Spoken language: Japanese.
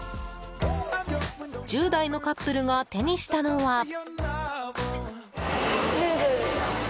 １０代のカップルが手にしたのは。